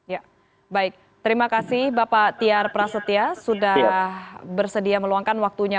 ya baik terima kasih bapak tiar prasetya sudah bersedia meluangkan waktunya